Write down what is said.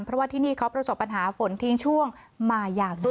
เพราะว่าที่นี่เขาประสบปัญหาฝนทิ้งช่วงมาอย่างดี